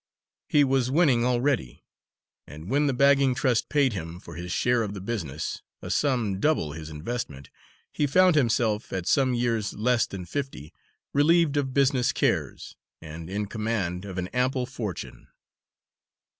He was winning already, and when the bagging trust paid him, for his share of the business, a sum double his investment, he found himself, at some years less than fifty, relieved of business cares and in command of an ample fortune.